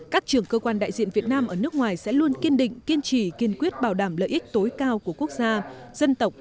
các trưởng cơ quan đại diện việt nam ở nước ngoài sẽ luôn kiên định kiên trì kiên quyết bảo đảm lợi ích tối cao của quốc gia dân tộc